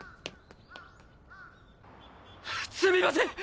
すみません！